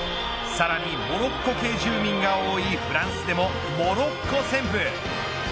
さらに、モロッコ系住民が多いフランスでもモロッコ旋風。